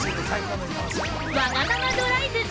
「わがままドライブ！